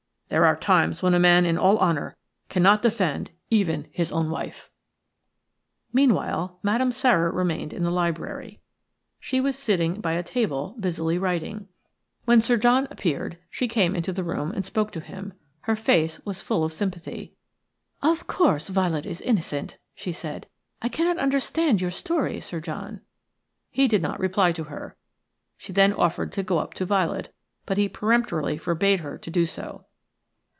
"There are times when a man in all honour cannot defend even his own wife." Meanwhile Madame Sara remained in the library. She was sitting by a table busily writing. When Sir John appeared she came into the room and spoke to him. Her face was full of sympathy. "Of course Violet is innocent," she said. "I cannot understand your story, Sir John." He did not reply to her. She then offered to go up to Violet; but he peremptorily forbade her to do so.